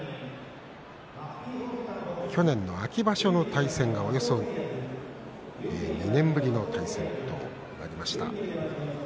去年の秋場所の対戦がおよそ２年ぶりの対戦となりました。